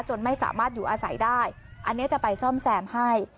ไม่สามารถอยู่อาศัยได้อันนี้จะไปซ่อมแซมให้